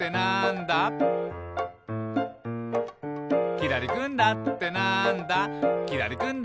「きらりくんだってなんだ？」